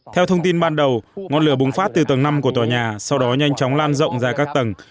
theo thông tin ban đầu ngọn lửa bùng phát từ tầng năm của tòa nhà sau đó nhanh chóng lan rộng ra các tầng